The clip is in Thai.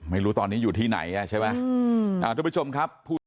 ไม่รู้ตอนนี้อยู่ที่ไหนอ่ะใช่ไหมอืมอ่าทุกผู้ชมครับ